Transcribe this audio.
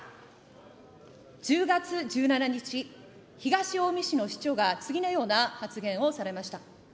１０月１７日、東近江市の市長が次のような発言をされました。